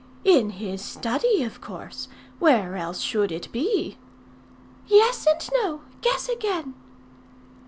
"In his study, of course. Where else should it be?" "Yes and no. Guess again."